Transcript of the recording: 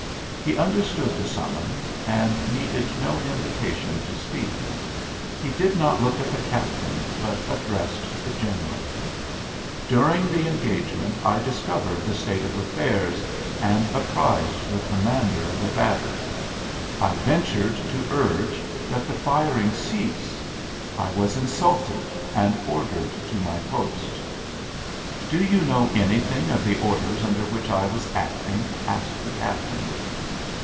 He understood the summons and needed no invitation to speak. He did not look at the captain, but addressed the general: "During the engagement I discovered the state of affairs, and apprised the commander of the battery. I ventured to urge that the firing cease. I was insulted and ordered to my post." "Do you know anything of the orders under which I was acting?" asked the captain.